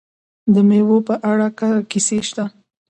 د میوو په اړه کیسې شته.